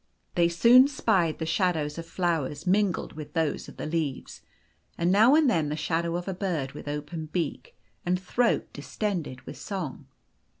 They soon spied the shadows of flowers mingled with those of the 194 The Golden Key leaves, and n<>\v and then the shadow of a bird with open beak, and throat distended with song.